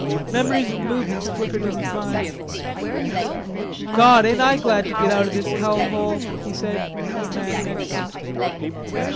Memories of movies flickered in his mind. "Gawd, ain't I glad to git out o' this hell hole," he said to the man next him.